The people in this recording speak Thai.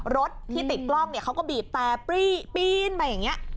รถที่ติดกล้องเนี่ยเขาก็บีบแต่ปีนมาอย่างนี้